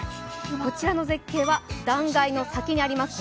こちらの絶景は断崖の先にあります